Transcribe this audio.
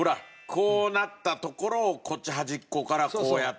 こうなったところをこっち端っこからこうやって。